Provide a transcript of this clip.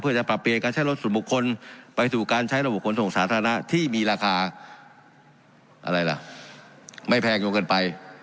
เพื่อจะปรับเปลี่ยนการใช้รถส่วนบุคคลไปสู่การใช้ระบบขนส่งสาธารณะที่มีราคาอะไรล่ะไม่แพงจนเกินไป